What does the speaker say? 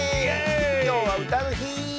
きょうはうたのひ！